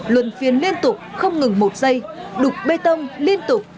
luân phiên liên tục không ngừng một giây đục bê tông liên tục